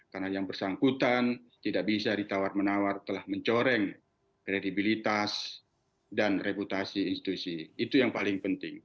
karena yang bersangkutan tidak bisa ditawar menawar telah mencoreng kredibilitas dan reputasi institusi itu yang paling penting